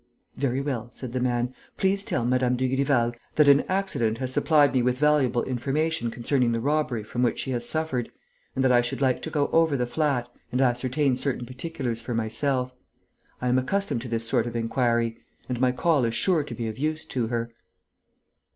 "Very well," said the man. "Please tell Mme. Dugrival that an accident has supplied me with valuable information concerning the robbery from which she has suffered and that I should like to go over the flat and ascertain certain particulars for myself. I am accustomed to this sort of inquiry; and my call is sure to be of use to her."